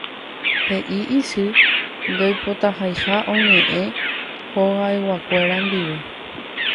he'i isy ndoipotaiha oñe'ẽ hogaykeregua ndive